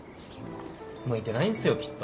向いてないんすよきっと。